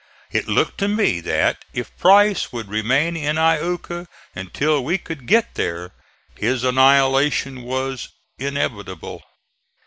It looked to me that, if Price would remain in Iuka until we could get there, his annihilation was inevitable.